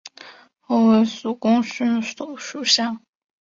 后为蜀公孙述属下。